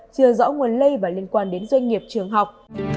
chưa rõ nguồn lây và liên quan đến doanh nghiệp trường học